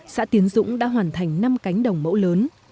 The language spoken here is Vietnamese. xã tiến dũng đã hoàn thành năm cánh đồng mẫu lớn